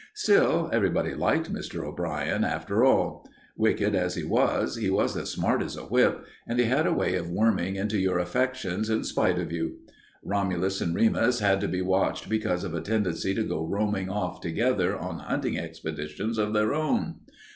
Still, everybody liked Mr. O'Brien, after all. Wicked as he was, he was as smart as a whip and he had a way of worming into your affections in spite of you. Romulus and Remus had to be watched because of a tendency to go roaming off together on hunting expeditions of their own.